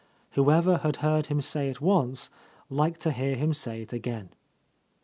Whoever had heard him say it once, liked to hear him say it again.